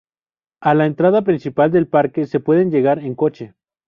A la entrada principal del parque se puede llegar en coche.